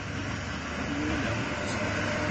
Où est la rue principale ?